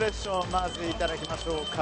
まず、いただきましょうか。